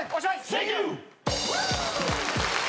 センキュー！